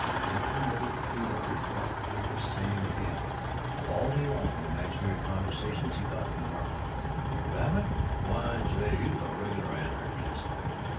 Interminably he wondered what They were saying of him. All day long in imaginary conversations he caught them marveling, "Babbitt? Why, say, he's a regular anarchist!